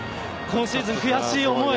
今シーズン悔しい思い